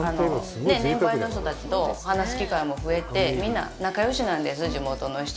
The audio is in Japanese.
年配の人たちと話す機会も増えて、みんな仲よしなんです、地元の人。